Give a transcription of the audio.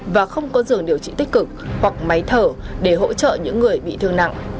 và không có giường điều trị tích cực hoặc máy thở để hỗ trợ những người bị thương nặng